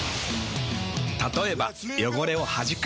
たとえば汚れをはじく。